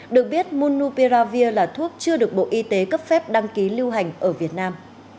được biết munupiravir là thuốc chưa được bộ y tế cấp phép đăng ký lưu hành ở việt nam